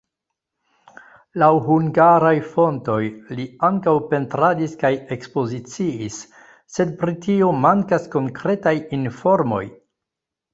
Laŭ hungaraj fontoj li ankaŭ pentradis kaj ekspoziciis, sed pri tio mankas konkretaj informoj.